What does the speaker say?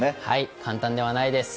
簡単ではないです。